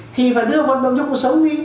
thì phải đưa vận động cho cuộc sống đi